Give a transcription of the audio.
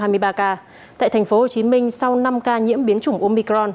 tại tp hcm sau năm ca nhiễm biến chủng omicron